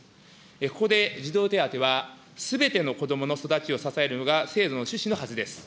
ここで児童手当はすべての子どもの育ちを支えるのが制度の趣旨のはずです。